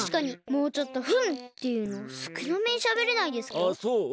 もうちょっと「ふんっ！」ていうのすくなめにしゃべれないですか？